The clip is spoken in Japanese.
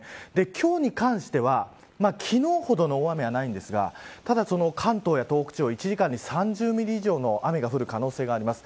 今日に関しては昨日ほどの大雨はないんですがただ、関東や東北地方１時間に３０ミリ以上の雨が降る可能性があります。